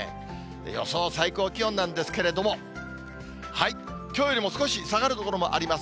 予想最高気温なんですけれども、きょうよりも少し下がる所もあります。